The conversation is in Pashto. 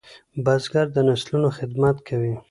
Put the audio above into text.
بزګر د نسلونو خدمت کوي